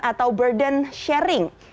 atau burden sharing